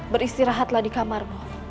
beristirahatlah di kamar